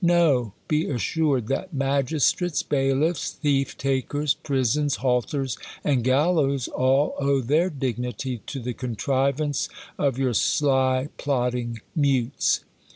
No ; be assured, that magistrates, bailiffs, thief takers, prisons, halters, and gallows, all owe their dignity to the contrivance of your sly, plod dins; mutes.